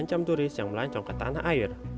dan jem turis yang melancong ke tanah air